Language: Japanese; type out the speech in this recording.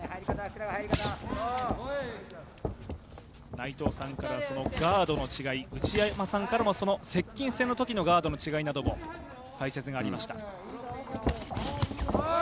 内藤さんからガードの違い、内山さんからも接近戦のときのガードの違いにも解説がありました。